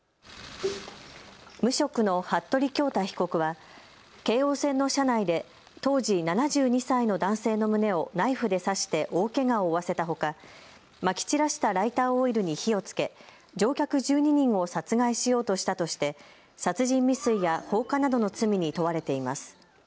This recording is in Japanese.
無職の服部恭太被告は京王線の車内で当時７２歳の男性の胸をナイフで刺して大けがを負わせたほか、まき散らしたライターオイルに火をつけ乗客１２人を殺害しようとしたとして殺人未遂や放火などの罪に問われています。